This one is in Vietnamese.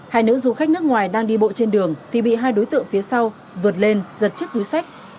hai nữ du khách nước ngoài đang đi bộ trên đường thì bị hai đối tượng phía sau vượt lên giật chiếc túi sách